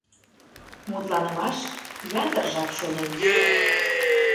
Мутланымаш ятыр жап шуйнен.